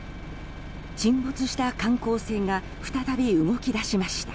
沈没した観光船が再び動き出しました。